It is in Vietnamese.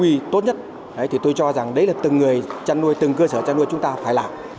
đảm bảo vệ sinh an toàn thu y tốt nhất tôi cho rằng đấy là từng người chăn nuôi từng cơ sở chăn nuôi chúng ta phải làm